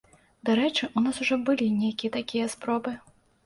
Дарэчы, у нас ужо былі нейкія такія спробы.